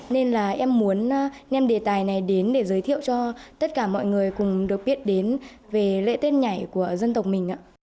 nên là em muốn đem đề tài này đến để giới thiệu cho tất cả mọi người cùng được biết đến về lễ tết nhảy của dân tộc mình ạ